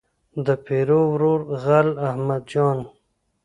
د پیرو ورور غل احمد جان.